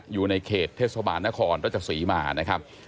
อยู่ในเขตเทศบาลนครรัชศรีมานะครับ